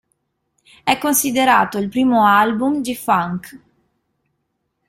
È considerato il primo album G-funk.